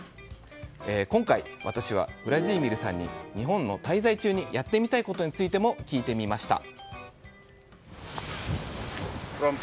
今回、私はウラジーミルさんに日本に滞在中にやってみたいことについても聞いてみました。